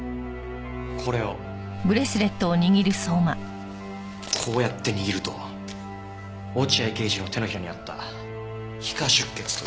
これをこうやって握ると落合刑事の手のひらにあった皮下出血と一致します。